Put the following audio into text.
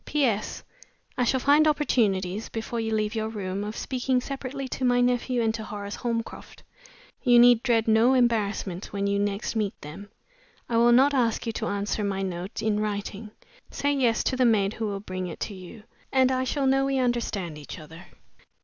"P.S. I shall find opportunities (before you leave your room) of speaking separately to my nephew and to Horace Holmcroft. You need dread no embarrassment, when you next meet them. I will not ask you to answer my note in writing. Say yes to the maid who will bring it to you, and I shall know we understand each other."